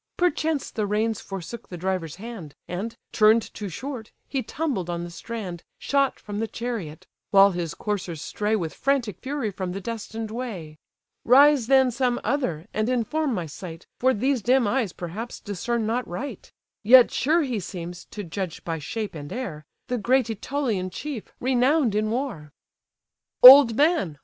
Perchance the reins forsook the driver's hand, And, turn'd too short, he tumbled on the strand, Shot from the chariot; while his coursers stray With frantic fury from the destined way. Rise then some other, and inform my sight, For these dim eyes, perhaps, discern not right; Yet sure he seems, to judge by shape and air, The great Ætolian chief, renown'd in war." "Old man!